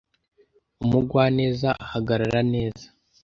umugwaneza ahagarara neza